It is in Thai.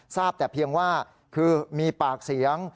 ทราบแต่เพียงว่าคือมีปากเสียง